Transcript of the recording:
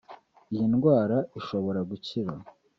iyi ndwara ishobora gukira